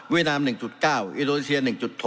เวียดนาม๑๙อิโรเซีย๑๖